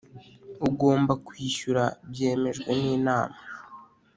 ugomba kwishyura byemejwe n inama